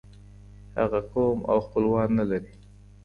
هغه قوم او خپلوان نلري.